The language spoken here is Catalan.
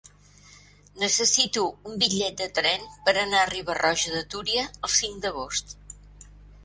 Necessito un bitllet de tren per anar a Riba-roja de Túria el cinc d'agost.